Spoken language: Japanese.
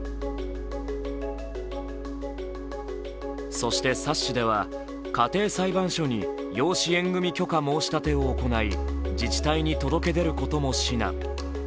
そして冊子では家庭裁判所に養子縁組許可申立を行い自治体に届け出ることも指南。